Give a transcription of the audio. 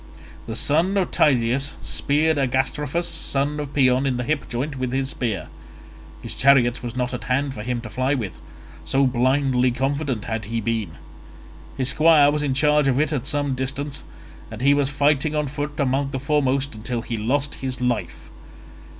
The son of Tydeus speared Agastrophus son of Paeon in the hip joint with his spear. His chariot was not at hand for him to fly with, so blindly confident had he been. His squire was in charge of it at some distance and he was fighting on foot among the foremost until he lost his life.